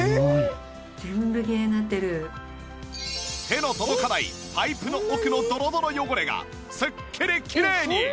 手の届かないパイプの奥のドロドロ汚れがすっきりきれいに！